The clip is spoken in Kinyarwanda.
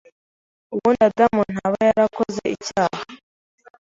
ubundi Adamu ntaba yarakoze icyaha.